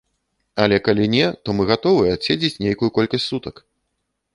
Але калі не, то мы гатовыя адседзець нейкую колькасць сутак!